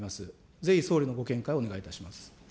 ぜひ、総理のご見解をお願いいたします。